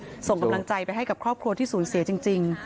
ที่ส่งกำลังใจไปให้ครอบครัวที่ศูนย์เสียจริง